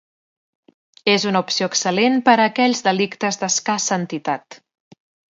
És una opció excel·lent per a aquells delictes d'escassa entitat.